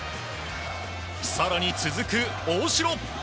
更に、続く大城。